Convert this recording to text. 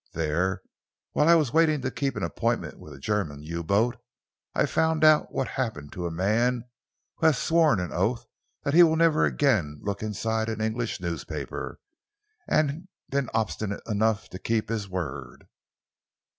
There, whilst I was waiting to keep an appointment with a German U boat, I found out what happens to a man who has sworn an oath that he will never again look inside an English newspaper, and been obstinate enough to keep his word."